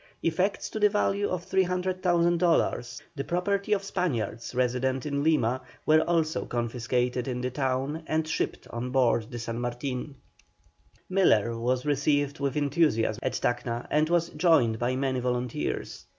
Effects to the value of 300,000 dollars, the property of Spaniards resident in Lima, were also confiscated in the town and shipped on board the San Martin. Miller was received with enthusiasm at Tacna, and was joined by many volunteers.